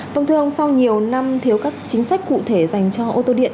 vâng thưa ông sau nhiều năm thiếu các chính sách cụ thể dành cho ô tô điện